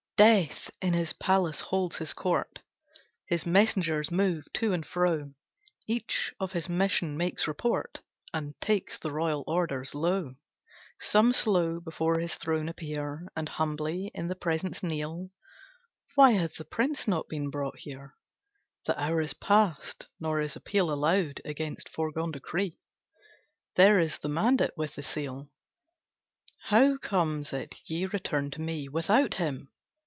Death in his palace holds his court, His messengers move to and fro, Each of his mission makes report, And takes the royal orders, Lo, Some slow before his throne appear And humbly in the Presence kneel: "Why hath the Prince not been brought here? The hour is past; nor is appeal Allowed against foregone decree; There is the mandate with the seal! How comes it ye return to me Without him?